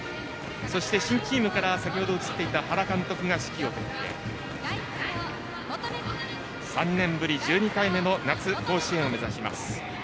そして新チームから先ほど映っていた原監督が指揮を執って３年ぶり１２回目の夏の甲子園を目指します。